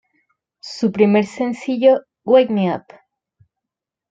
Su primer sencillo "Wake Me Up!